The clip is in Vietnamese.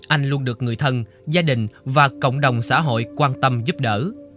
anh luôn được người thân gia đình và cộng đồng xã hội quan tâm giúp đỡ